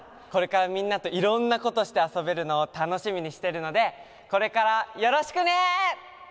これからみんなといろんなことしてあそべるのをたのしみにしてるのでこれからよろしくね！